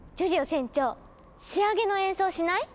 船長仕上げの演奏しない？